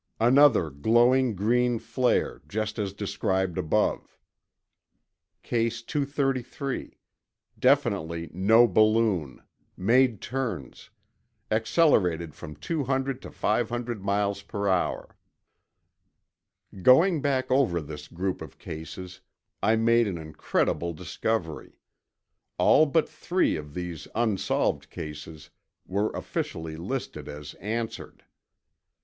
another glowing green flare just as described above. ... Case 233 ... definitely no balloon ... made turns ... accelerated from 200 to 500 miles per hour .... Going back over this group of cases, I made an incredible discovery: All but three of these unsolved cases were officially listed as answered.